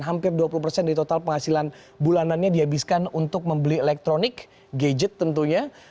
hampir dua puluh persen dari total penghasilan bulanannya dihabiskan untuk membeli elektronik gadget tentunya